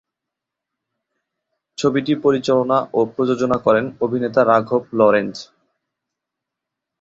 ছবিটি পরিচালনা ও প্রযোজনা করেন অভিনেতা রাঘব লরেন্স।